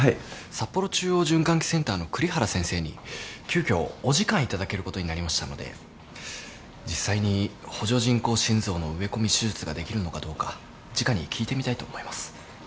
札幌中央循環器センターの栗原先生に急きょお時間頂けることになりましたので実際に補助人工心臓の植え込み手術ができるのかどうかじかに聞いてみたいと思います。